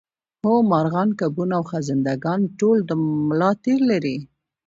هو مارغان کبونه او خزنده ګان ټول د ملا تیر لري